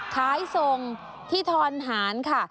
ขายทรงที่ธรรหารค่ะ